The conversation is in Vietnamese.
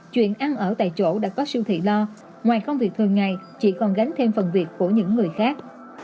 chuyện ăn ở tại chỗ đã có siêu thị lo ngoài công việc thường ngày chị còn gánh thêm phần việc của những người khác